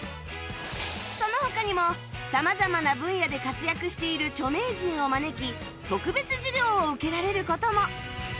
その他にも様々な分野で活躍している著名人を招き特別授業を受けられる事も！